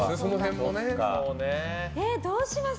どうします？